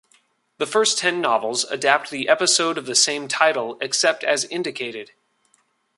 The first ten novels adapt the episode of the same title except as indicated.